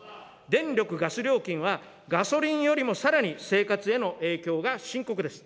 電力・ガス料金は、ガソリンよりもさらに生活への影響が深刻です。